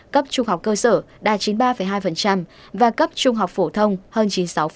cấp trung học cơ sở đạt chín mươi ba hai và cấp trung học phổ thông hơn chín mươi sáu